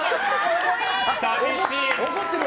寂しい。